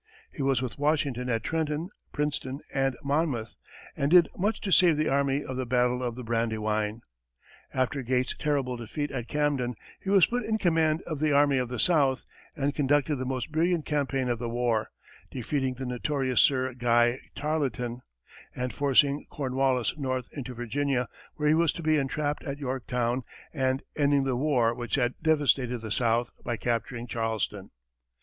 He was with Washington at Trenton, Princeton, and Monmouth, and did much to save the army of the battle of the Brandywine. After Gates's terrible defeat at Camden, he was put in command of the army of the South, and conducted the most brilliant campaign of the war, defeating the notorious Sir Guy Tarleton, and forcing Cornwallis north into Virginia, where he was to be entrapped at Yorktown, and ending the war which had devastated the South by capturing Charleston.